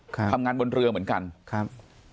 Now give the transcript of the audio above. ค่ะทำงานบนเรือเห็นกันครับ